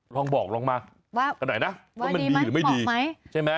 ลองบอกลองมากันหน่อยนะว่ามันดีหรือไม่ดีใช่ไหม